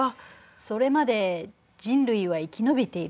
それまで人類は生き延びているかしらね？